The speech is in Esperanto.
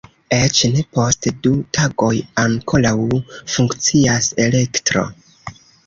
Eĉ ne post du tagoj ankoraŭ funkcias elektro.